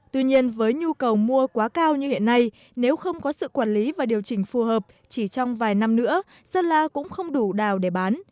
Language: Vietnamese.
tuy nhiên với nhu cầu mua quá cao như hiện nay nếu không có sự quản lý và điều chỉnh phù hợp chỉ trong vài năm nữa sơn la cũng không đủ đào để bán